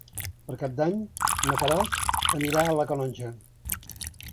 Per Cap d'Any na Queralt anirà a la Canonja.